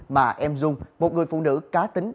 mà em dung một người phụ nữ cá tính